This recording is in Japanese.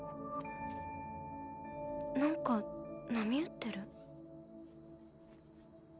なんか波打ってる？